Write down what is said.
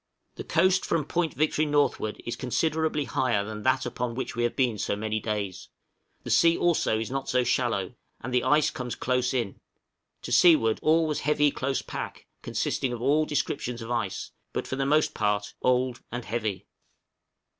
The coast from Point Victory northward is considerably higher than that upon which we have been so many days; the sea also is not so shallow, and the ice comes close in; to seaward all was heavy close pack, consisting of all descriptions of ice, but for the most part old and heavy.